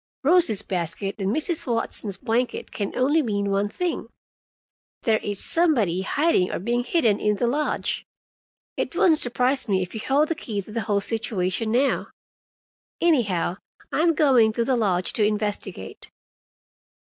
Rosie's basket and Mrs. Watson's blanket can only mean one thing: there is somebody hiding or being hidden in the lodge. It wouldn't surprise me if we hold the key to the whole situation now. Anyhow, I'm going to the lodge to investigate."